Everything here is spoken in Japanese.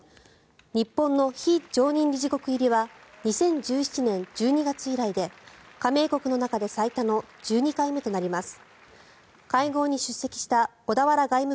日本の非常任理事国入りは２０１７年１２月以来で加盟国の中で最多の１２回目となります。